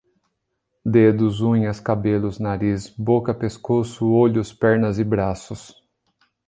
Dedos, unhas, cabelos, nariz, boca, pescoço, olhos, pernas e braços